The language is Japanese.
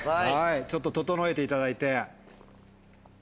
ちょっと整えていただいて。